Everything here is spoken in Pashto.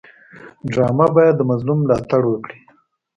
ډرامه باید د مظلوم ملاتړ وکړي